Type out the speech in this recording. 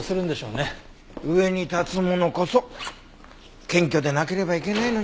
上に立つ者こそ謙虚でなければいけないのにね。